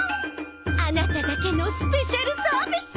あなただけのスペシャルサービス。